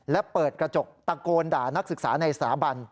และเปิดกระจกตะโกนด่านักศึกษาในสถาบัน